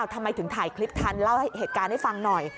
ทำไมถึงถ่ายคลิปทันเล่าเหตุการณ์ให้ฟังหน่อย